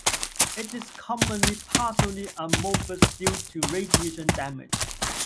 It is commonly partially amorphous due to radiation damage.